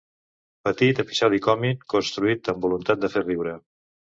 Petit episodi còmic construït amb voluntat de fer riure.